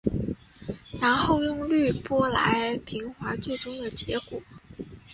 然后用滤波来平滑最终结果。